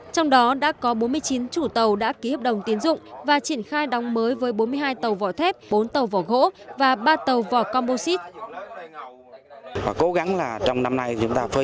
trong đó đã có bốn mươi chín chủ tàu đã ký hợp đồng tiến dụng và triển khai đóng mới